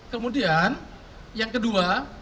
kemudian yang kedua